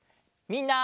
みんな！